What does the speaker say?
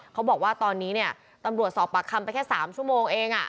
เขาบอกว่าตอนนี้เนี่ยตำรวจสอบปากคำไปแค่๓ชั่วโมงเอง